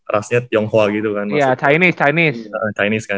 rasnya tionghoa gitu kan